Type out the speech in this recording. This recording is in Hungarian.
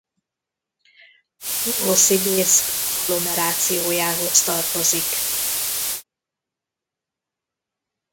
Novoszibirszk agglomerációjához tartozik.